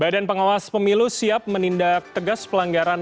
badan pengawas pemilu siap menindak tegas pelanggaran